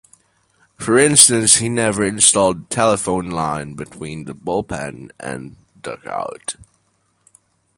For instance, he never installed a telephone line between the bullpen and dugout.